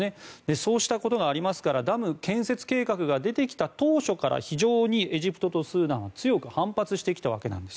そうしたことがありますからダム建設計画が出てきた当初から非常にエジプトとスーダンは強く反発してきたわけです。